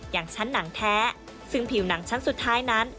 อย่างชั้นหนังแท้ซึ่งผิวหนังชั้นสุดท้ายนั้น